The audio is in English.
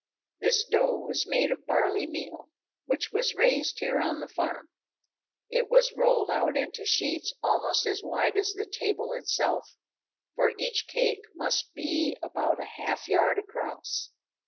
This dough was made of barley meal which was raised here at the farm. It was rolled out into sheets almost as wide as the table itself, for each cake must be about a half yard across.